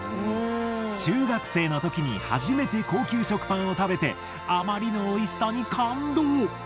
中学生の時に初めて高級食パンを食べてあまりのおいしさに感動。